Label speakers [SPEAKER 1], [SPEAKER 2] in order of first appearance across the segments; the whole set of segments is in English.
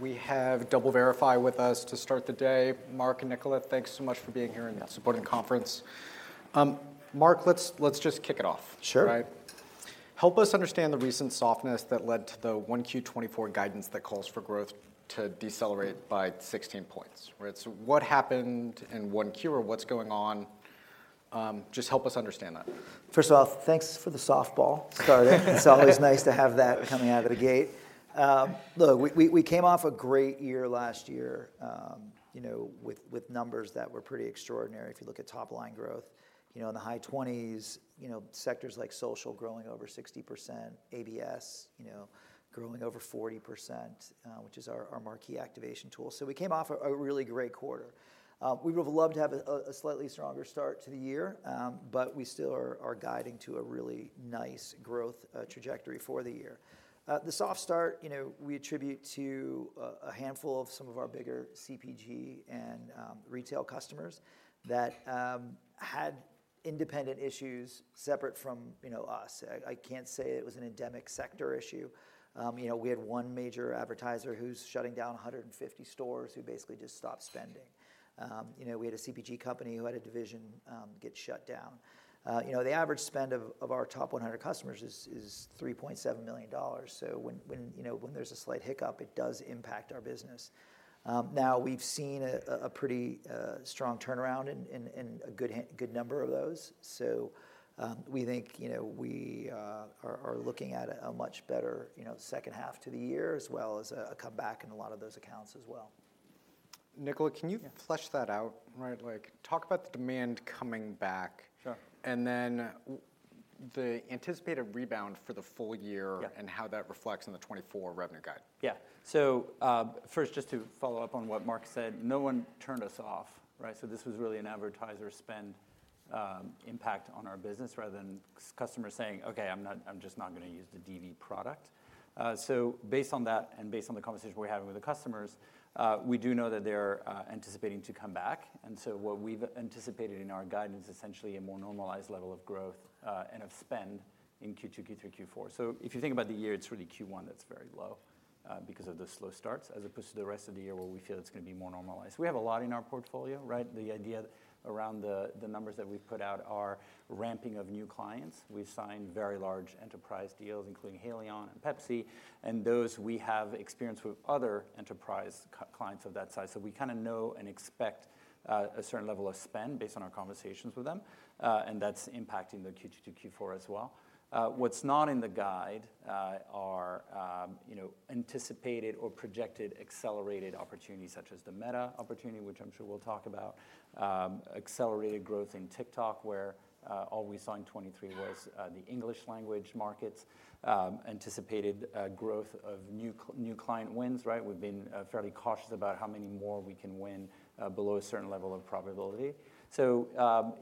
[SPEAKER 1] We have DoubleVerify with us to start the day. Mark and Nicola, thanks so much for being here and supporting the conference. Mark, let's just kick it off.
[SPEAKER 2] Sure.
[SPEAKER 1] Right? Help us understand the recent softness that led to the 1Q24 guidance that calls for growth to decelerate by 16 points. So what happened in Q1, or what's going on? Just help us understand that.
[SPEAKER 2] First of all, thanks for the softball starting. It's always nice to have that coming out of the gate. Look, we came off a great year last year with numbers that were pretty extraordinary. If you look at top-line growth, in the high 20s, sectors like social growing over 60%, ABS growing over 40%, which is our marquee activation tool. So we came off a really great quarter. We would have loved to have a slightly stronger start to the year, but we still are guiding to a really nice growth trajectory for the year. The soft start, we attribute to a handful of some of our bigger CPG and retail customers that had independent issues separate from us. I can't say it was an endemic sector issue. We had one major advertiser who's shutting down 150 stores who basically just stopped spending. We had a CPG company who had a division get shut down. The average spend of our top 100 customers is $3.7 million. So when there's a slight hiccup, it does impact our business. Now, we've seen a pretty strong turnaround in a good number of those. So we think we are looking at a much better second half to the year, as well as a comeback in a lot of those accounts as well.
[SPEAKER 1] Nicola, can you flesh that out? Talk about the demand coming back, and then the anticipated rebound for the full year and how that reflects in the 2024 revenue guide.
[SPEAKER 3] Yeah. So first, just to follow up on what Mark said, no one turned us off. So this was really an advertiser spend impact on our business, rather than customers saying, OK, I'm just not going to use the DV product. So based on that and based on the conversation we're having with the customers, we do know that they're anticipating to come back. And so what we've anticipated in our guidance is essentially a more normalized level of growth and of spend in Q2, Q3, Q4. So if you think about the year, it's really Q1 that's very low because of the slow starts, as opposed to the rest of the year where we feel it's going to be more normalized. We have a lot in our portfolio. The idea around the numbers that we've put out are ramping of new clients. We've signed very large enterprise deals, including Haleon and Pepsi. And those we have experience with other enterprise clients of that size. So we kind of know and expect a certain level of spend based on our conversations with them. And that's impacting the Q2 to Q4 as well. What's not in the guide are anticipated or projected accelerated opportunities, such as the Meta opportunity, which I'm sure we'll talk about, accelerated growth in TikTok, where all we saw in 2023 was the English language markets, anticipated growth of new client wins. We've been fairly cautious about how many more we can win below a certain level of probability. So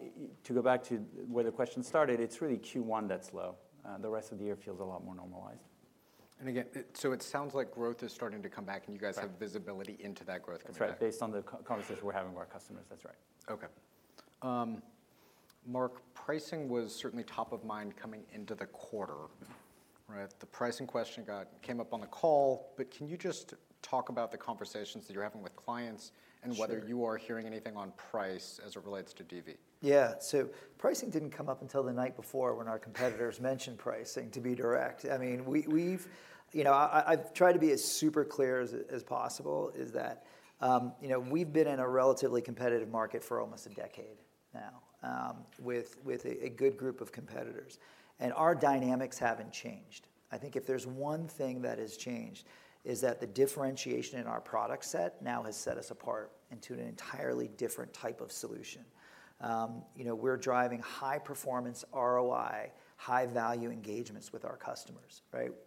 [SPEAKER 3] to go back to where the question started, it's really Q1 that's low. The rest of the year feels a lot more normalized.
[SPEAKER 1] Again, it sounds like growth is starting to come back, and you guys have visibility into that growth coming back.
[SPEAKER 3] That's right. Based on the conversation we're having with our customers, that's right.
[SPEAKER 1] OK. Mark, pricing was certainly top of mind coming into the quarter. The pricing question came up on the call. But can you just talk about the conversations that you're having with clients and whether you are hearing anything on price as it relates to DV?
[SPEAKER 2] Yeah. So pricing didn't come up until the night before when our competitors mentioned pricing, to be direct. I mean, I've tried to be as super clear as possible is that we've been in a relatively competitive market for almost a decade now with a good group of competitors. And our dynamics haven't changed. I think if there's one thing that has changed is that the differentiation in our product set now has set us apart into an entirely different type of solution. We're driving high-performance ROI, high-value engagements with our customers,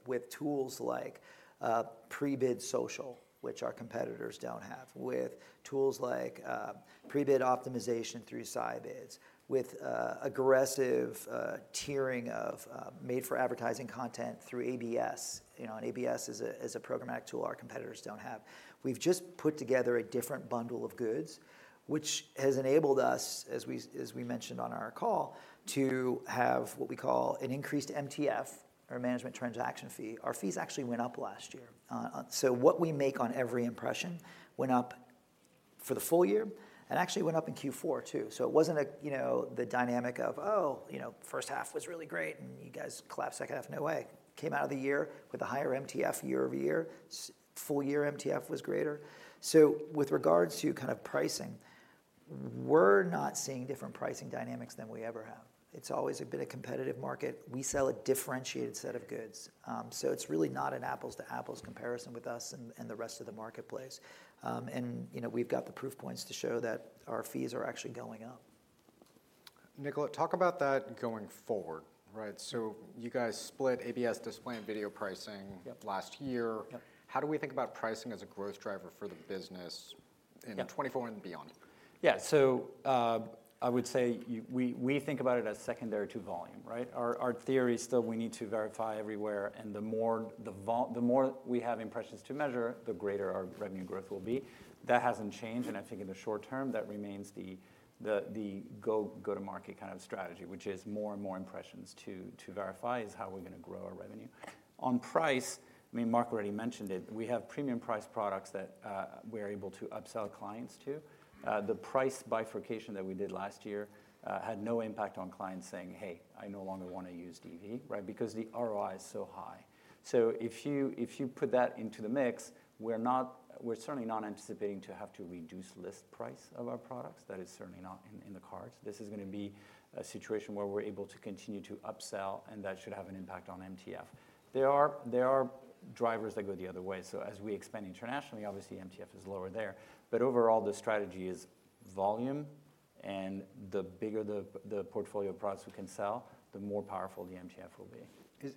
[SPEAKER 2] with tools like pre-bid social, which our competitors don't have, with tools like pre-bid optimization through Scibids, with aggressive tiering of made-for-advertising content through ABS. And ABS is a programmatic tool our competitors don't have. We've just put together a different bundle of goods, which has enabled us, as we mentioned on our call, to have what we call an increased MTF, or Measured Transaction Fee. Our fees actually went up last year. So what we make on every impression went up for the full year and actually went up in Q4, too. So it wasn't the dynamic of, oh, first half was really great, and you guys collapse second half, no way. Came out of the year with a higher MTF year-over-year. Full year MTF was greater. So with regards to kind of pricing, we're not seeing different pricing dynamics than we ever have. It's always a bit of competitive market. We sell a differentiated set of goods. So it's really not an apples-to-apples comparison with us and the rest of the marketplace. We've got the proof points to show that our fees are actually going up.
[SPEAKER 1] Nicola, talk about that going forward. You guys split ABS display and video pricing last year. How do we think about pricing as a growth driver for the business in 2024 and beyond?
[SPEAKER 3] Yeah. So I would say we think about it as secondary to volume. Our theory is still we need to verify everywhere. And the more we have impressions to measure, the greater our revenue growth will be. That hasn't changed. And I think in the short term, that remains the go-to-market kind of strategy, which is more and more impressions to verify is how we're going to grow our revenue. On price, I mean, Mark already mentioned it. We have premium-priced products that we're able to upsell clients to. The price bifurcation that we did last year had no impact on clients saying, hey, I no longer want to use DV, because the ROI is so high. So if you put that into the mix, we're certainly not anticipating to have to reduce list price of our products. That is certainly not in the cards. This is going to be a situation where we're able to continue to upsell, and that should have an impact on MTF. There are drivers that go the other way. So as we expand internationally, obviously, MTF is lower there. But overall, the strategy is volume. And the bigger the portfolio of products we can sell, the more powerful the MTF will be.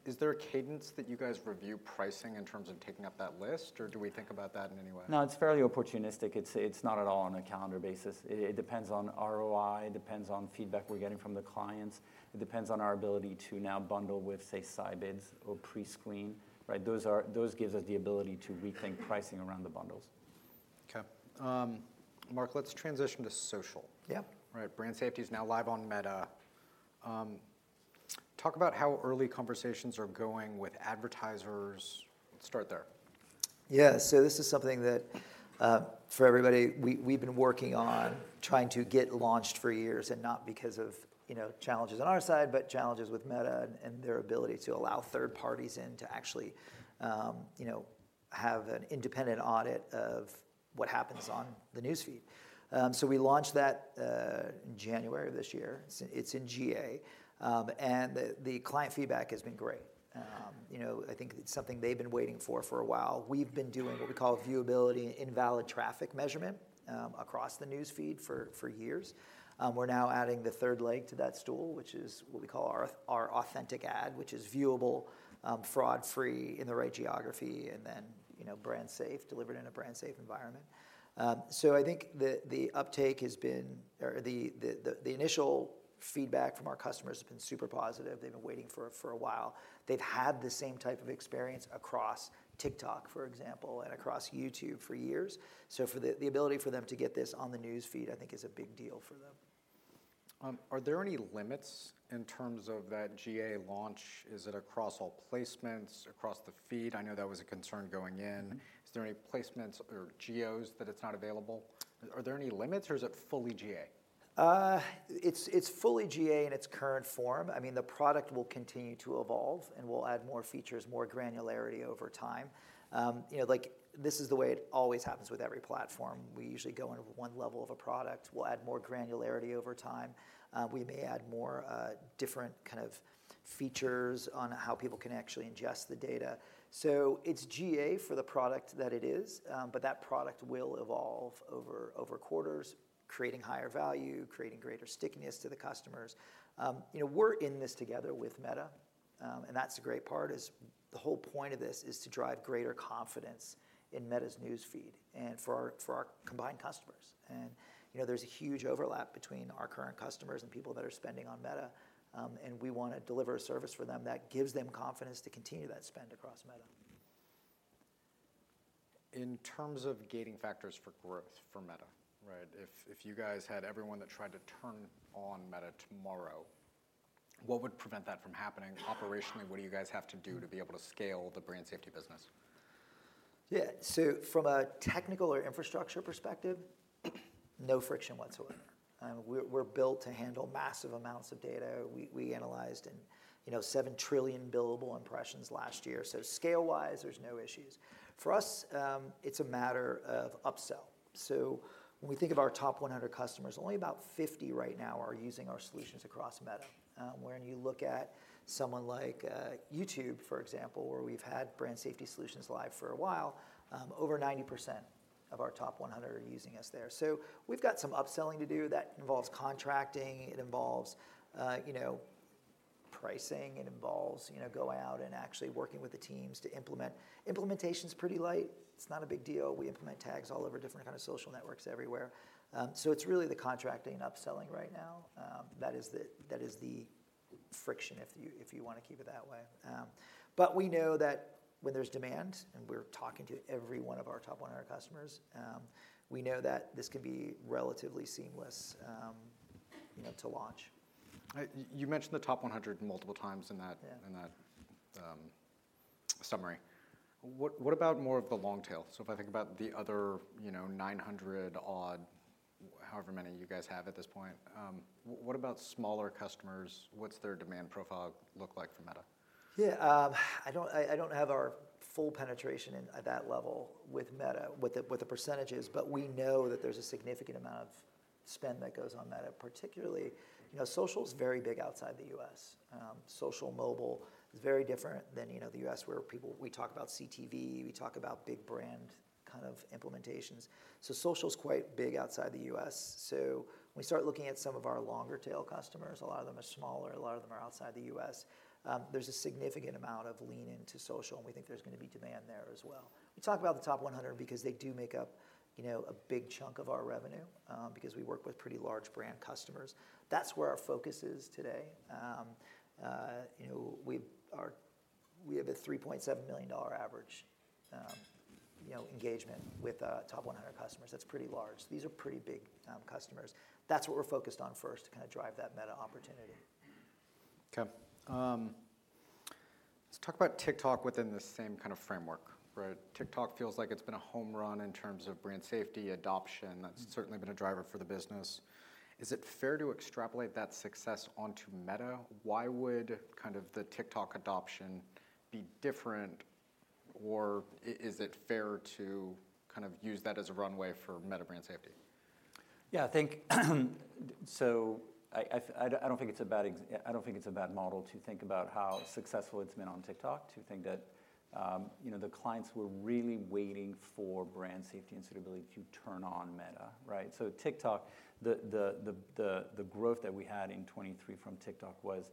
[SPEAKER 1] Is there a cadence that you guys review pricing in terms of taking up that list? Or do we think about that in any way?
[SPEAKER 3] No, it's fairly opportunistic. It's not at all on a calendar basis. It depends on ROI. It depends on feedback we're getting from the clients. It depends on our ability to now bundle with, say, Scibids or pre-bid. Those give us the ability to rethink pricing around the bundles.
[SPEAKER 1] OK. Mark, let's transition to social. Brand Safety is now live on Meta. Talk about how early conversations are going with advertisers. Let's start there.
[SPEAKER 2] Yeah. So this is something that, for everybody, we've been working on trying to get launched for years, and not because of challenges on our side, but challenges with Meta and their ability to allow third parties in to actually have an independent audit of what happens on the news feed. So we launched that in January of this year. It's in GA. The client feedback has been great. I think it's something they've been waiting for for a while. We've been doing what we call a viewability invalid traffic measurement across the news feed for years. We're now adding the third leg to that stool, which is what we call our Authentic Ad, which is viewable, fraud-free in the right geography, and then brand safe, delivered in a brand safe environment. So I think the uptake has been the initial feedback from our customers has been super positive. They've been waiting for a while. They've had the same type of experience across TikTok, for example, and across YouTube for years. So the ability for them to get this on the news feed, I think, is a big deal for them.
[SPEAKER 1] Are there any limits in terms of that GA launch? Is it across all placements, across the feed? I know that was a concern going in. Is there any placements or geos that it's not available? Are there any limits, or is it fully GA?
[SPEAKER 2] It's fully GA in its current form. I mean, the product will continue to evolve, and we'll add more features, more granularity over time. This is the way it always happens with every platform. We usually go into one level of a product. We'll add more granularity over time. We may add more different kind of features on how people can actually ingest the data. So it's GA for the product that it is. But that product will evolve over quarters, creating higher value, creating greater stickiness to the customers. We're in this together with Meta. And that's the great part, is the whole point of this is to drive greater confidence in Meta's news feed and for our combined customers. And there's a huge overlap between our current customers and people that are spending on Meta. We want to deliver a service for them that gives them confidence to continue that spend across Meta.
[SPEAKER 1] In terms of gating factors for growth for Meta, if you guys had everyone that tried to turn on Meta tomorrow, what would prevent that from happening? Operationally, what do you guys have to do to be able to scale the Brand Safety business?
[SPEAKER 2] Yeah. So from a technical or infrastructure perspective, no friction whatsoever. We're built to handle massive amounts of data. We analyzed 7 trillion billable impressions last year. So scale-wise, there's no issues. For us, it's a matter of upsell. So when we think of our top 100 customers, only about 50 right now are using our solutions across Meta. When you look at someone like YouTube, for example, where we've had Brand Safety solutions live for a while, over 90% of our top 100 are using us there. So we've got some upselling to do. That involves contracting. It involves pricing. It involves going out and actually working with the teams to implement. Implementation is pretty light. It's not a big deal. We implement tags all over different kind of social networks everywhere. It's really the contracting and upselling right now that is the friction, if you want to keep it that way. But we know that when there's demand, and we're talking to every one of our top 100 customers, we know that this can be relatively seamless to launch.
[SPEAKER 1] You mentioned the top 100 multiple times in that summary. What about more of the long tail? So if I think about the other 900-odd, however many you guys have at this point, what about smaller customers? What's their demand profile look like for Meta?
[SPEAKER 2] Yeah. I don't have our full penetration at that level with Meta, with the percentages. But we know that there's a significant amount of spend that goes on Meta, particularly social is very big outside the US. Social mobile is very different than the US, where we talk about CTV. We talk about big brand kind of implementations. So social is quite big outside the US. So when we start looking at some of our longer tail customers, a lot of them are smaller. A lot of them are outside the US. There's a significant amount of lean into social. And we think there's going to be demand there as well. We talk about the top 100 because they do make up a big chunk of our revenue, because we work with pretty large brand customers. That's where our focus is today. We have a $3.7 million average engagement with top 100 customers. That's pretty large. These are pretty big customers. That's what we're focused on first, to kind of drive that Meta opportunity.
[SPEAKER 1] OK. Let's talk about TikTok within the same kind of framework. TikTok feels like it's been a home run in terms of Brand Safety adoption. That's certainly been a driver for the business. Is it fair to extrapolate that success onto Meta? Why would kind of the TikTok adoption be different? Or is it fair to kind of use that as a runway for Meta Brand Safety?
[SPEAKER 3] Yeah. So I don't think it's a bad model to think about how successful it's been on TikTok, to think that the clients were really waiting for Brand Safety and Suitability to turn on Meta. So TikTok, the growth that we had in 2023 from TikTok was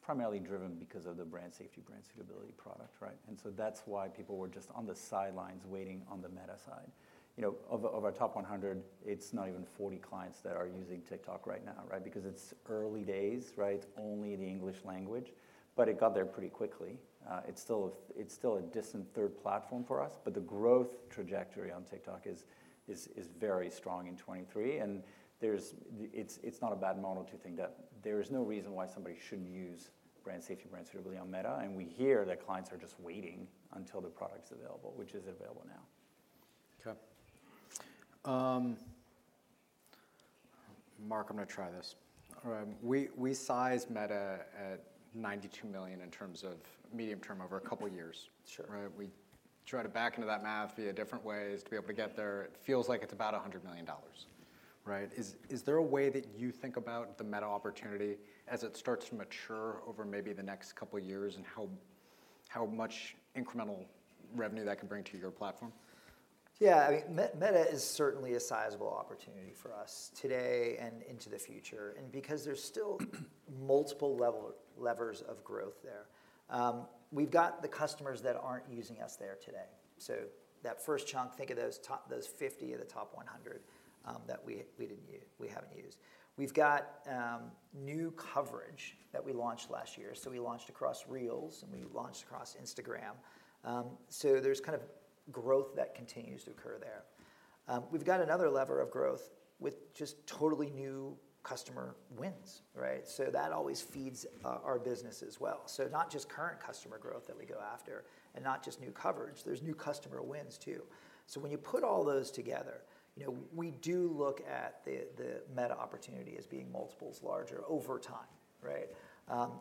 [SPEAKER 3] primarily driven because of the Brand Safety, Brand Suitability product. And so that's why people were just on the sidelines, waiting on the Meta side. Of our top 100, it's not even 40 clients that are using TikTok right now, because it's early days. It's only the English language. But it got there pretty quickly. It's still a distant third platform for us. But the growth trajectory on TikTok is very strong in 2023. And it's not a bad model to think that there is no reason why somebody shouldn't use Brand Safety, Brand Suitability on Meta. We hear that clients are just waiting until the product's available, which is available now.
[SPEAKER 1] OK. Mark, I'm going to try this. We size Meta at $92 million in terms of medium term over a couple of years. We try to back into that math via different ways to be able to get there. It feels like it's about $100 million. Is there a way that you think about the Meta opportunity as it starts to mature over maybe the next couple of years and how much incremental revenue that can bring to your platform?
[SPEAKER 2] Yeah. I mean, Meta is certainly a sizable opportunity for us today and into the future, because there's still multiple levers of growth there. We've got the customers that aren't using us there today. So that first chunk, think of those 50 of the top 100 that we haven't used. We've got new coverage that we launched last year. So we launched across Reels, and we launched across Instagram. So there's kind of growth that continues to occur there. We've got another lever of growth with just totally new customer wins. So that always feeds our business as well. So not just current customer growth that we go after and not just new coverage. There's new customer wins, too. So when you put all those together, we do look at the Meta opportunity as being multiples larger over time,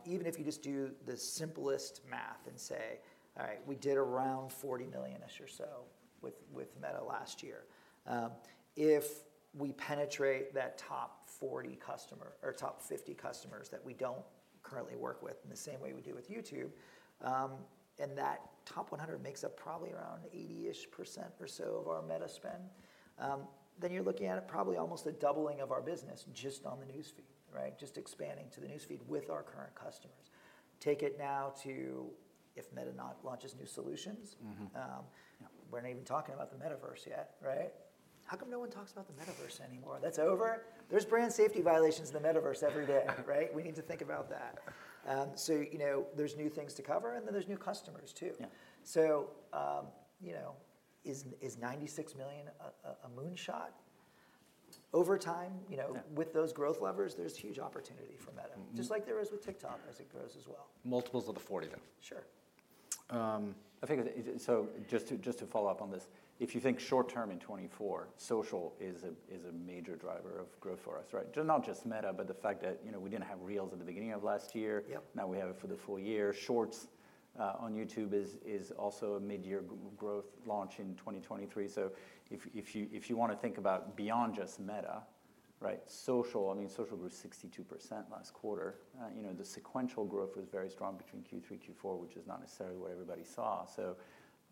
[SPEAKER 2] even if you just do the simplest math and say, all right, we did around $40 million-ish or so with Meta last year. If we penetrate that top 40 customer or top 50 customers that we don't currently work with in the same way we do with YouTube, and that top 100 makes up probably around 80%-ish or so of our Meta spend, then you're looking at probably almost a doubling of our business just on the news feed, just expanding to the news feed with our current customers. Take it now to if Meta now launches new solutions. We're not even talking about the metaverse yet. How come no one talks about the metaverse anymore? That's over? There's Brand Safety violations in the metaverse every day. We need to think about that. So there's new things to cover. And then there's new customers, too. So is $96 million a moonshot? Over time, with those growth levers, there's huge opportunity for Meta, just like there is with TikTok as it grows as well.
[SPEAKER 1] Multiples of the 40, though.
[SPEAKER 2] Sure.
[SPEAKER 1] So just to follow up on this, if you think short term in 2024, social is a major driver of growth for us, not just Meta, but the fact that we didn't have Reels at the beginning of last year. Now we have it for the full year. Shorts on YouTube is also a midyear growth launch in 2023. So if you want to think about beyond just Meta, social, I mean, social grew 62% last quarter. The sequential growth was very strong between Q3, Q4, which is not necessarily what everybody saw.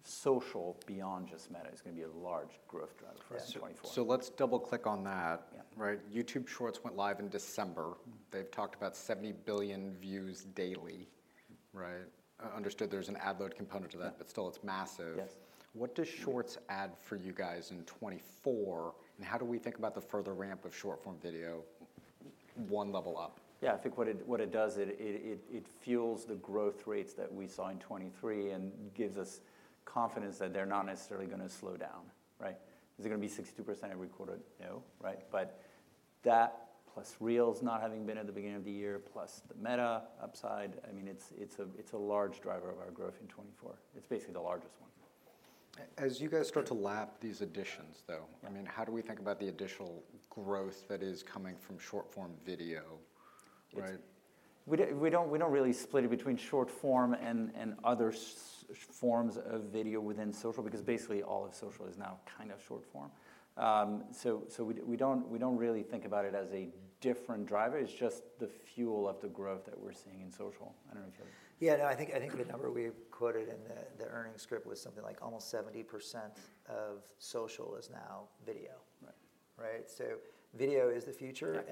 [SPEAKER 1] So social beyond just Meta is going to be a large growth driver for us in 2024. So let's double-click on that. YouTube Shorts went live in December. They've talked about 70 billion views daily. Understood there's an ad-load component to that. But still, it's massive. What does Shorts add for you guys in 2024? How do we think about the further ramp of short-form video one level up?
[SPEAKER 3] Yeah. I think what it does, it fuels the growth rates that we saw in 2023 and gives us confidence that they're not necessarily going to slow down. Is it going to be 62% every quarter? No. But that, plus Reels not having been at the beginning of the year, plus the Meta upside, I mean, it's a large driver of our growth in 2024. It's basically the largest one.
[SPEAKER 1] As you guys start to lap these additions, though, I mean, how do we think about the additional growth that is coming from short-form video?
[SPEAKER 3] We don't really split it between short-form and other forms of video within social, because basically all of social is now kind of short-form. We don't really think about it as a different driver. It's just the fuel of the growth that we're seeing in social. I don't know if you have.
[SPEAKER 2] Yeah. No. I think the number we quoted in the earnings script was something like almost 70% of social is now video. So video is the future.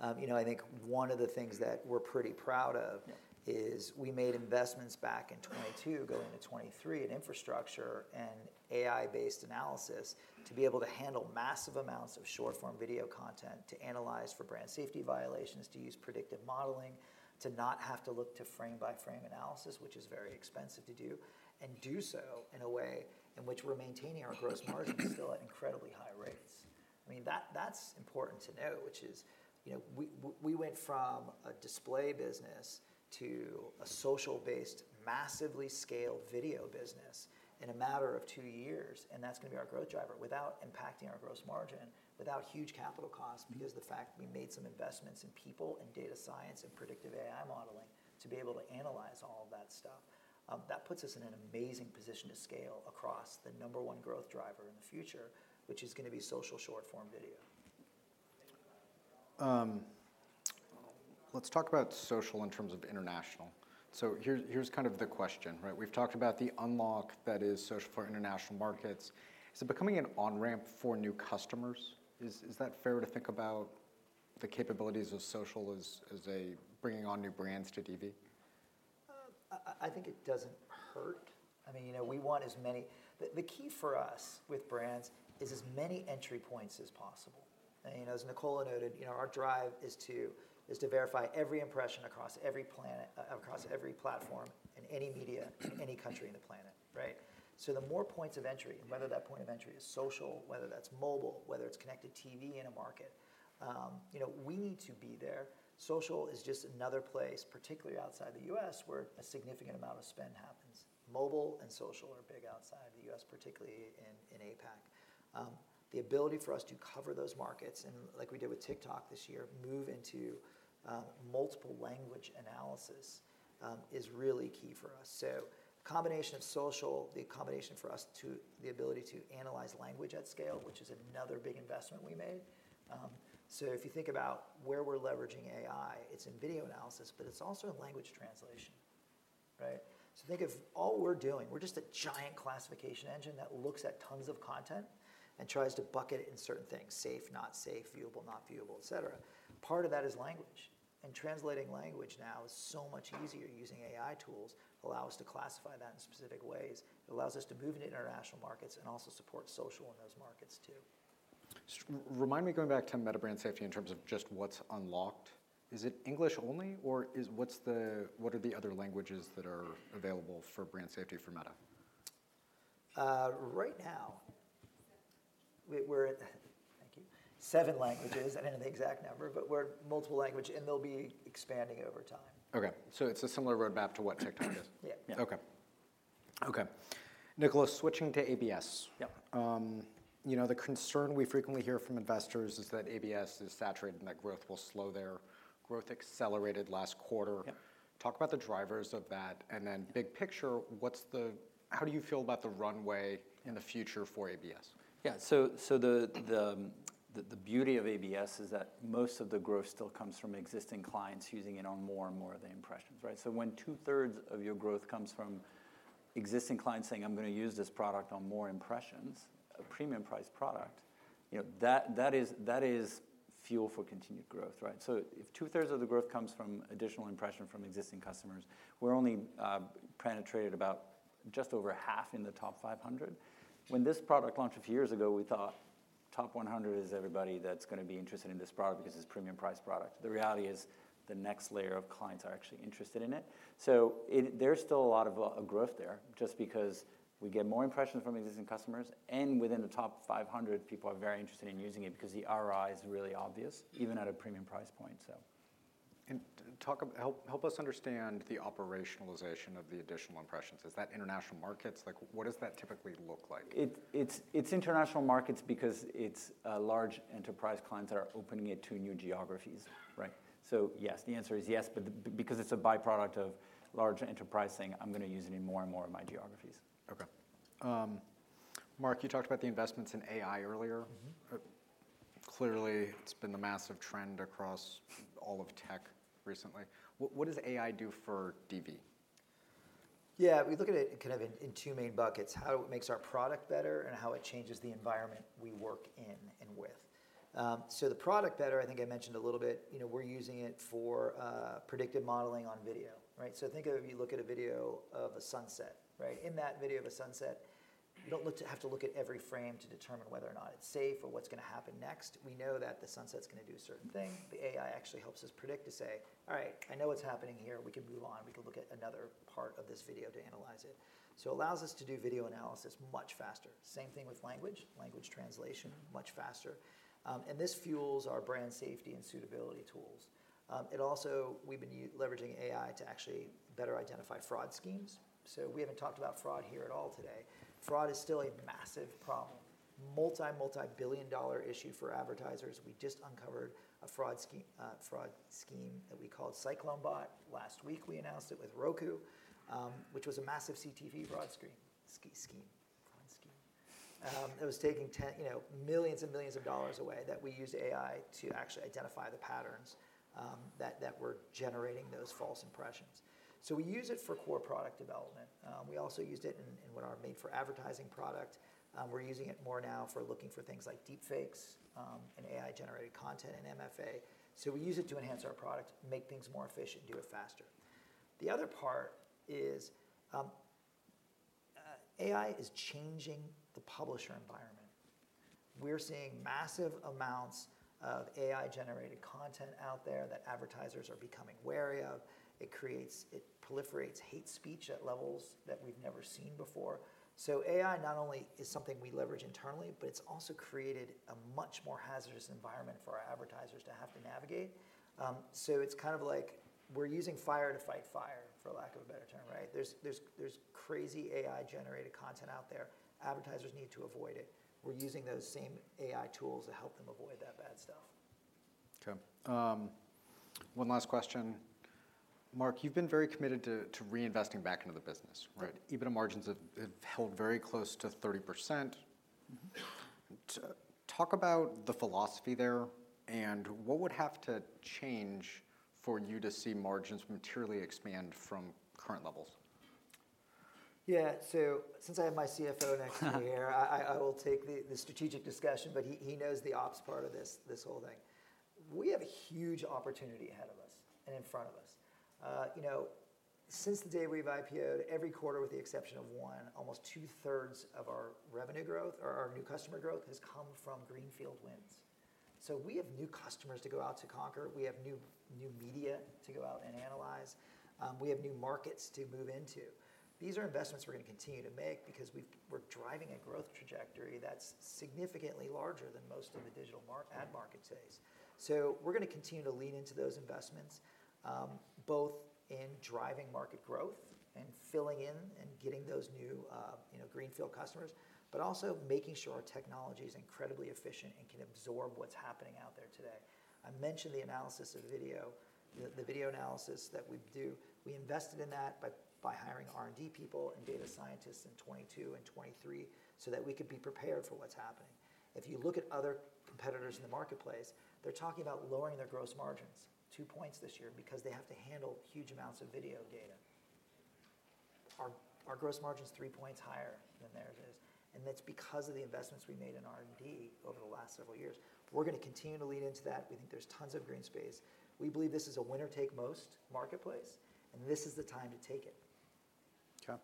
[SPEAKER 2] I think one of the things that we're pretty proud of is we made investments back in 2022, going into 2023, in infrastructure and AI-based analysis to be able to handle massive amounts of short-form video content, to analyze for Brand Safety violations, to use predictive modeling, to not have to look to frame-by-frame analysis, which is very expensive to do, and do so in a way in which we're maintaining our gross margin still at incredibly high rates. I mean, that's important to know, which is we went from a display business to a social-based, massively scaled video business in a matter of two years. That's going to be our growth driver without impacting our gross margin, without huge capital costs, because of the fact we made some investments in people and data science and predictive AI modeling to be able to analyze all of that stuff. That puts us in an amazing position to scale across the number one growth driver in the future, which is going to be social short-form video.
[SPEAKER 1] Let's talk about social in terms of international. So here's kind of the question. We've talked about the unlock that is social for international markets. Is it becoming an on-ramp for new customers? Is that fair to think about the capabilities of social as bringing on new brands to TV?
[SPEAKER 2] I think it doesn't hurt. I mean, we want as many. The key for us with brands is as many entry points as possible. As Nicola noted, our drive is to verify every impression across every planet, across every platform, in any media, in any country in the planet. So the more points of entry, and whether that point of entry is social, whether that's mobile, whether it's connected TV in a market, we need to be there. Social is just another place, particularly outside the US, where a significant amount of spend happens. Mobile and social are big outside of the US, particularly in APAC. The ability for us to cover those markets, and like we did with TikTok this year, move into multiple language analysis is really key for us. So a combination of social, the combination for us to the ability to analyze language at scale, which is another big investment we made. So if you think about where we're leveraging AI, it's in video analysis. But it's also in language translation. So think of all we're doing. We're just a giant classification engine that looks at tons of content and tries to bucket it in certain things: safe, not safe, viewable, not viewable, et cetera. Part of that is language. And translating language now is so much easier using AI tools. It allows us to classify that in specific ways. It allows us to move into international markets and also support social in those markets, too.
[SPEAKER 1] Remind me, going back to Meta Brand Safety in terms of just what's unlocked, is it English only? Or what are the other languages that are available for Brand Safety for Meta?
[SPEAKER 2] Right now, we're at, thank you, seven languages. I don't know the exact number. But we're multiple languages. They'll be expanding over time.
[SPEAKER 1] OK. So it's a similar roadmap to what TikTok is.
[SPEAKER 2] Yeah.
[SPEAKER 1] OK, Nicola, switching to ABS. The concern we frequently hear from investors is that ABS is saturated and that growth will slow there. Growth accelerated last quarter. Talk about the drivers of that. And then big picture, how do you feel about the runway in the future for ABS?
[SPEAKER 3] Yeah. So the beauty of ABS is that most of the growth still comes from existing clients using it on more and more of the impressions. So when 2/3 of your growth comes from existing clients saying, I'm going to use this product on more impressions, a premium-priced product, that is fuel for continued growth. So if 2/3 of the growth comes from additional impression from existing customers, we're only penetrated about just over half in the top 500. When this product launched a few years ago, we thought top 100 is everybody that's going to be interested in this product because it's a premium-priced product. The reality is the next layer of clients are actually interested in it. So there's still a lot of growth there, just because we get more impressions from existing customers. Within the top 500, people are very interested in using it, because the ROI is really obvious, even at a premium price point.
[SPEAKER 1] Help us understand the operationalization of the additional impressions. Is that international markets? What does that typically look like?
[SPEAKER 3] It's international markets because it's large enterprise clients that are opening it to new geographies. So yes, the answer is yes. But because it's a byproduct of large enterprise saying, I'm going to use it in more and more of my geographies.
[SPEAKER 1] OK. Mark, you talked about the investments in AI earlier. Clearly, it's been the massive trend across all of tech recently. What does AI do for DV?
[SPEAKER 2] Yeah. We look at it kind of in two main buckets: how it makes our product better and how it changes the environment we work in and with. So the product better, I think I mentioned a little bit, we're using it for predictive modeling on video. So think of it. You look at a video of a sunset. In that video of a sunset, you don't have to look at every frame to determine whether or not it's safe or what's going to happen next. We know that the sunset's going to do a certain thing. The AI actually helps us predict to say, all right, I know what's happening here. We can move on. We can look at another part of this video to analyze it. So it allows us to do video analysis much faster. Same thing with language, language translation, much faster. And this fuels our Brand Safety and Suitability tools. Also, we've been leveraging AI to actually better identify fraud schemes. We haven't talked about fraud here at all today. Fraud is still a massive problem, multi-billion-dollar issue for advertisers. We just uncovered a fraud scheme that we called CycloneBot. Last week, we announced it with Roku, which was a massive CTV fraud scheme that was taking millions and millions of dollars away, that we used AI to actually identify the patterns that were generating those false impressions. We use it for core product development. We also used it in what are made-for-advertising product. We're using it more now for looking for things like deepfakes and AI-generated content and MFA. We use it to enhance our product, make things more efficient, do it faster. The other part is AI is changing the publisher environment. We're seeing massive amounts of AI-generated content out there that advertisers are becoming wary of. It proliferates hate speech at levels that we've never seen before. So AI not only is something we leverage internally, but it's also created a much more hazardous environment for our advertisers to have to navigate. So it's kind of like we're using fire to fight fire, for lack of a better term. There's crazy AI-generated content out there. Advertisers need to avoid it. We're using those same AI tools to help them avoid that bad stuff.
[SPEAKER 1] OK. One last question. Mark, you've been very committed to reinvesting back into the business. EBITDA margins have held very close to 30%. Talk about the philosophy there. What would have to change for you to see margins materially expand from current levels?
[SPEAKER 2] Yeah. So since I have my CFO next year, I will take the strategic discussion. But he knows the ops part of this whole thing. We have a huge opportunity ahead of us and in front of us. Since the day we've IPOed, every quarter, with the exception of one, almost 2/3 of our revenue growth or our new customer growth has come from greenfield wins. So we have new customers to go out to conquer. We have new media to go out and analyze. We have new markets to move into. These are investments we're going to continue to make, because we're driving a growth trajectory that's significantly larger than most of the digital ad market days. So we're going to continue to lean into those investments, both in driving market growth and filling in and getting those new greenfield customers, but also making sure our technology is incredibly efficient and can absorb what's happening out there today. I mentioned the analysis of video, the video analysis that we do. We invested in that by hiring R&D people and data scientists in 2022 and 2023 so that we could be prepared for what's happening. If you look at other competitors in the marketplace, they're talking about lowering their gross margins 2 points this year, because they have to handle huge amounts of video data. Our gross margin's 3 points higher than theirs is. And that's because of the investments we made in R&D over the last several years. We're going to continue to lean into that. We think there's tons of green space. We believe this is a winner-take-most marketplace. This is the time to take it.
[SPEAKER 1] OK.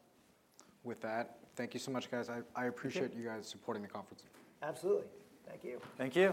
[SPEAKER 1] With that, thank you so much, guys. I appreciate you guys supporting the conference.
[SPEAKER 2] Absolutely. Thank you.
[SPEAKER 1] Thank you.